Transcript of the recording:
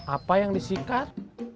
apa yang disikat